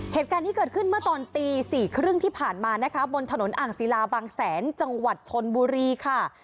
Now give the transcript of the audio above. เหตุการณ์ที่เกิดขึ้นเมื่อตอนตีสี่ครึ่งที่ผ่านมานะคะบนถนนอ่างศิลาบางแสนจังหวัดชนบุรีค่ะ